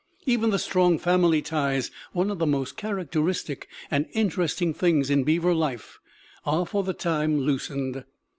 Even the strong family ties, one of the most characteristic and interesting things in beaver life, are for the time loosened.